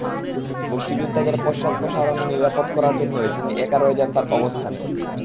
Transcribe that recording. মুক্তিযোদ্ধাদের পশ্চাদপসারণ নিরাপদ করার জন্যই তিনি একা রয়ে যান তাঁর অবস্থানে।